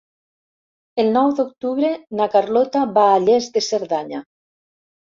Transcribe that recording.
El nou d'octubre na Carlota va a Lles de Cerdanya.